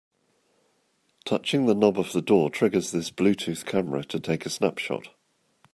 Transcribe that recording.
Touching the knob of the door triggers this Bluetooth camera to take a snapshot.